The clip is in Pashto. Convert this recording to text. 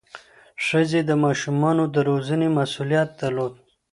ښځې د ماشومانو د روزنې مسؤلیت درلود.